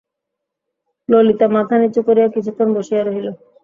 ললিতা মাথা নিচু করিয়া কিছুক্ষণ বসিয়া রহিল।